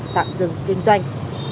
tạm dừng kinh doanh